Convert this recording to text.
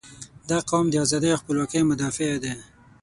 • دا قوم د ازادۍ او خپلواکۍ مدافع دی.